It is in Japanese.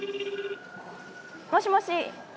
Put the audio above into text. もしもし。